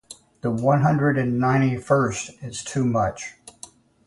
The four hundred and ninety-first is too much.